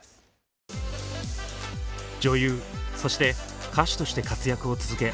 女優そして歌手として活躍を続け